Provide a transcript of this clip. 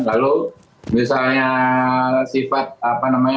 lalu misalnya sifat apa namanya